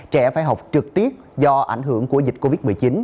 trẻ phải học trực tiếp do ảnh hưởng của dịch covid một mươi chín